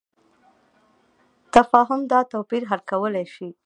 تفاهم دا توپیر حل کولی شي.